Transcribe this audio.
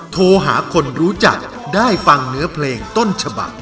โทรหาคนรู้จักได้ฟังเนื้อเพลงต้นฉบัก